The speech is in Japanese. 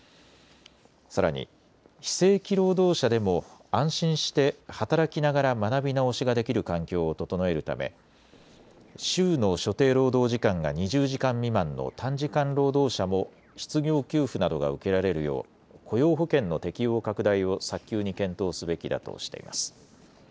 さらに、非正規労働者でも安心して働きながら学び直しができる環境を整えるため週の所定労働時間が２０時間未満の短時間労働者も失業給付などが受けられるよう雇用保険の適用拡大を早急に検討すべきだとしています。